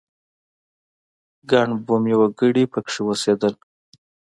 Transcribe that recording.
ګڼ بومي وګړي په کې اوسېدل.